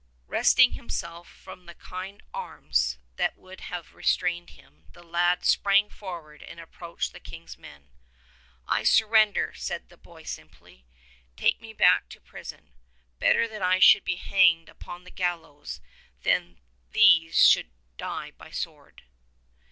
52 Wresting himself from the kind arms that would have restrained him, the lad sprang forward and approached the King's men. "I surrender," said the boy simply. 'Take me back to prison. Better that I should be hanged upon the gallows than that these should die by the sword."